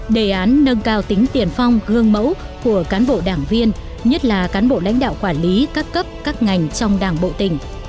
đề án nâng cao tính tiền phong gương mẫu của cán bộ đảng viên nhất là cán bộ lãnh đạo quản lý các cấp các ngành trong đảng bộ tỉnh